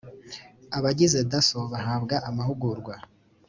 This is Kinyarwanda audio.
abagize dasso bahabwa amahugurwa